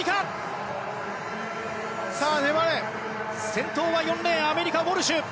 先頭は４レーンアメリカのウォルシュ。